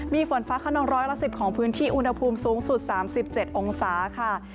มีฝนฟ้าขนองร้อยละ๑๐ของพื้นที่อุณหภูมิสูงสุด๓๗องศาค่ะ